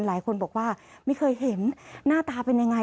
หลายคนบอกว่าไม่เคยเห็นหน้าตาเป็นยังไง